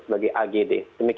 ops multi tolerde adalah